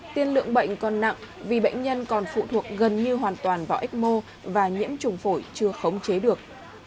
tiên lượng bệnh còn nặng vì bệnh nhân còn phụ thuộc gần như hoàn toàn vào ếch mô và nhiễm trùng phổi chưa khống chế được